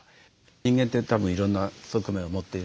人間ってたぶんいろんな側面を持っている。